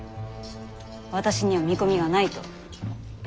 私には見込みがないと。